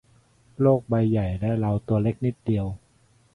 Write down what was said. โลกใบใหญ่และเราตัวเล็กนิดเดียว